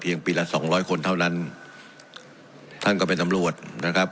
ปีละสองร้อยคนเท่านั้นท่านก็เป็นตำรวจนะครับ